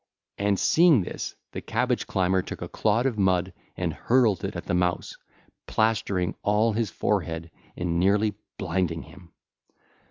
And seeing this, the Cabbage climber took a clod of mud and hurled it at the Mouse, plastering all his forehead and nearly blinding him.